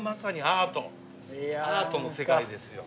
アートの世界ですよ。